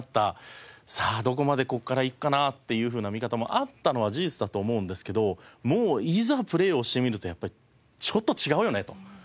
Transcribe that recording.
さあどこまでここからいくかなっていうふうな見方もあったのは事実だと思うんですけどもういざプレーをしてみるとやっぱりちょっと違うよねと。